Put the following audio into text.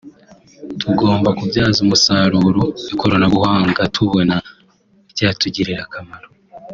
tugomba kubyaza umusaruro ikoranabuhanga tubona ryatugirira akamaro